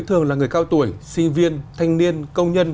thường là người cao tuổi sinh viên thanh niên công nhân